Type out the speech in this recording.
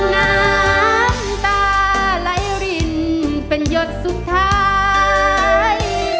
น้ำตาไหลรินเป็นหยดสุดท้าย